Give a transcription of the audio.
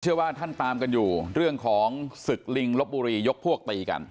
ว่าท่านตามกันอยู่เรื่องของศึกลิงลบบุรียกพวกตีกัน